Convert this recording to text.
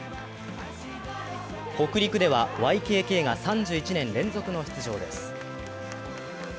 北陸ではＹＫＫが３１年連続の出場です